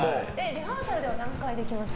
リハーサルでは何回できました？